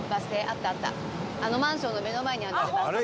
あのマンションの目の前にあるの。